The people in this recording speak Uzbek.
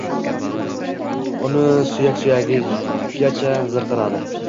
Uni suyak-suyagicha zirqiradi.